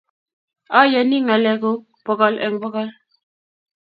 ayonii ngalek kuk pokol eng pokol.